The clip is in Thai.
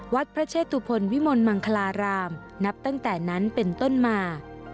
วัดพระเชตุพลวิมลมังคลารามนับตั้งแต่นั้นเป็นต้นมา